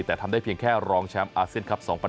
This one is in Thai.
แต่ทำได้เพียงแค่รองแชมป์อาเซียนครับ๒๐๑๖